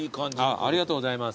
ありがとうございます。